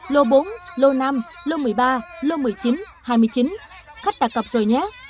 lô bốn lô năm lô một mươi ba lô một mươi chín lô hai mươi chín khách đặt cọc rồi nhé